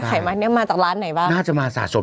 ไซส์งานก่อสร้าง